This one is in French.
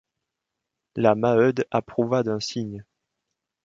La Maheude approuva d’un signe.